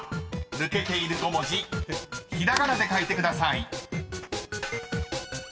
［抜けている５文字ひらがなで書いてください］